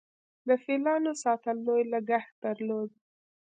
د فیلانو ساتل لوی لګښت درلود